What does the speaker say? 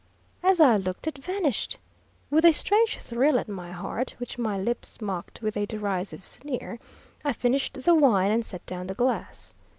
As I looked it vanished. With a strange thrill at my heart, which my lips mocked with a derisive sneer, I finished the wine and set down the glass.